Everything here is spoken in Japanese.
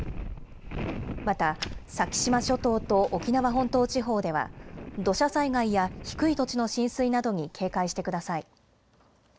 また、先島諸島と沖縄本島地方では、土砂災害や低い土地の浸水などに警戒してください。